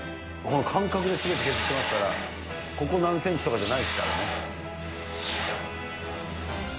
感覚ですべて削っていますから、ここ何センチとかじゃないですからね。